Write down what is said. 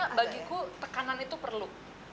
karena bagiku tekanan itu perlu